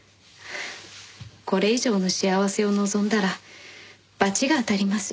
これ以上の幸せを望んだらバチが当たります。